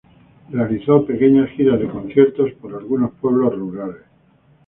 Realizó pequeñas giras de conciertos por algunos pueblos rurales.